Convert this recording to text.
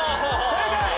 正解！